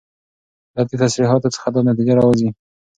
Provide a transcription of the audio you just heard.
له دي تصريحاتو څخه دا نتيجه راوځي